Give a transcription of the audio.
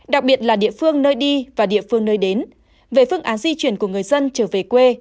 đặc biệt là địa phương nơi đi và địa phương nơi đến về phương án di chuyển của người dân trở về quê